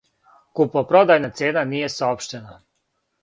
Купопродајна цена није саопштена.